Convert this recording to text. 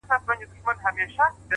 د تمرکز ساتل بریا نږدې کوي!